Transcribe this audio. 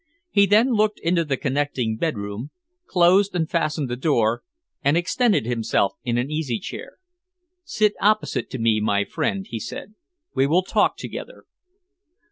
He then looked into the connecting bedroom, closed and fastened the door and extended himself in an easy chair. "Sit opposite to me, my friend," he said. "We will talk together."